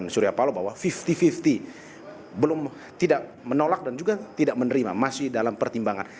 surya palo bahwa lima puluh lima puluh belum tidak menolak dan juga tidak menerima masih dalam pertimbangan